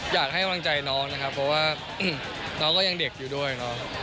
อยากให้กำลังใจน้องนะครับเพราะว่าน้องก็ยังเด็กอยู่ด้วยเนาะ